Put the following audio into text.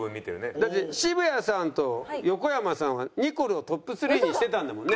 だって渋谷さんと横山さんはニコルをトップ３にしてたんだもんね？